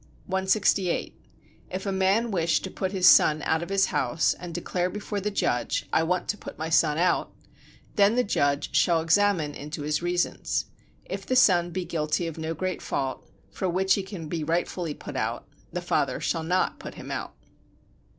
168. If a man wish to put his son out of his house, and declare before the judge: "I want to put my son out," then the judge shall examine into his reasons. If the son be guilty of no great fault, for which he can be rightfully put out, the father shall not put him out.